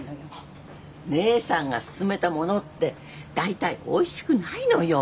姉さんが薦めたものって大体おいしくないのよ。